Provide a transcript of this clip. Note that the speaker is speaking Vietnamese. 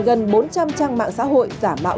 gần bốn trăm linh trang mạng xã hội giả mạo